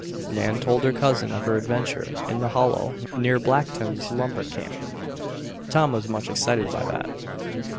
Nan told her cousin of her adventure in the hollow near Blackton's lumber camp. Tom was much excited by that.